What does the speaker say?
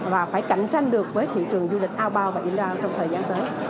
và phải cạnh tranh được với thị trường du lịch aobao và yên đao trong thời gian tới